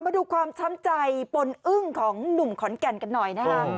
มาดูความช้ำใจปนอึ้งของหนุ่มขอนแก่นกันหน่อยนะฮะ